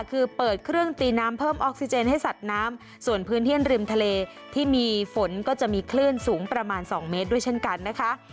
คือเปิดเครื่องตีน้ำเพิ่มออกซิเจนให้สัตว์น้ำส่วนพื้นที่ริมทะเลที่มีฝนก็จะมีคลื่นสูงประมาณ๒เมตรด้วยเช่นกันนะคะ